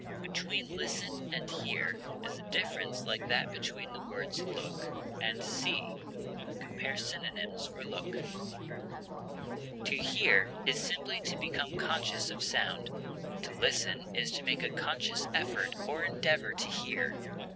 Between listen and hear is a difference like that between the words look and see. (Compare synonyms for LOOK.) To hear is simply to become conscious of sound, to listen is to make a conscious effort or endeavor to hear.